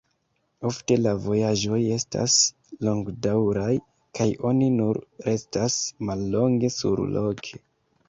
Ofte la vojaĝoj estas longdaŭraj kaj oni nur restas mallonge surloke.